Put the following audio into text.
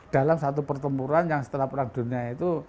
dalam satu pertempuran yang setelah perang dunia itu